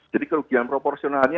jadi kerugian proporsionalnya